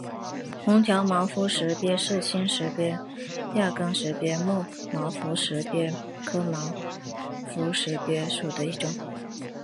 红条毛肤石鳖是新石鳖亚纲石鳖目毛肤石鳖科毛肤石鳖属的一种。